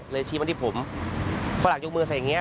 เลยชิบว่าที่ผมฝรั่งยกมือใส่อย่างเงี้ย